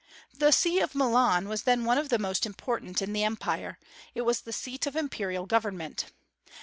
The See of Milan was then one of the most important in the Empire. It was the seat of imperial government.